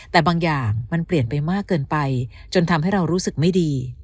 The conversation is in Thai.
แต่บางอย่างมันเปลี่ยนไปมากเกินไปจนทำให้เรารู้สึกไม่ดี